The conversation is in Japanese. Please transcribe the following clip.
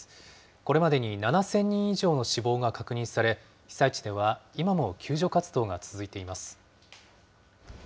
これまでに７０００人以上の死亡が確認され、被災地では今も救助活動が続いています。